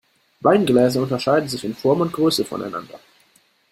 Weingläser unterscheiden sich in Form und Größe voneinander.